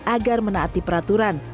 agar menaati peraturan